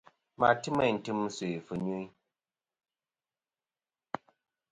Ma ti meyn tim sœ̀ fɨnyuyn.